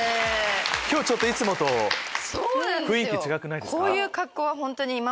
今日いつもと雰囲気違くないですか？